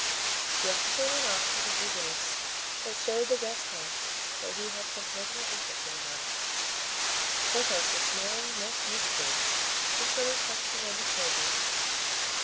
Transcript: The officer went off with an eagerness that showed the Gascon that he had some personal interest in the matter. Porthos was snoring most musically when some one touched him on the shoulder.